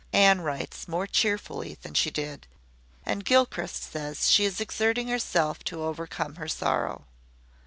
Anne writes more cheerfully than she did, and Gilchrist says she is exerting herself to overcome her sorrow.